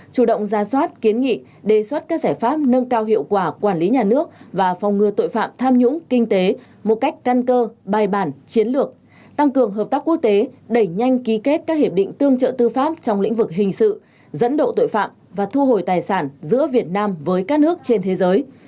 chủ động ra soát kiến nghị đề xuất các giải pháp nâng cao hiệu quả quản lý nhà nước và phòng ngừa tội phạm tham nhũng kinh tế một cách căn cơ bài bản chiến lược tăng cường hợp tác quốc tế đẩy nhanh ký kết các hiệp định tương trợ tư pháp trong lĩnh vực hình sự dẫn độ tội phạm và thu hồi tài sản giữa việt nam với các nước trên thế giới